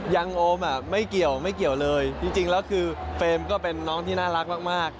โอมอ่ะไม่เกี่ยวไม่เกี่ยวเลยจริงแล้วคือเฟรมก็เป็นน้องที่น่ารักมาก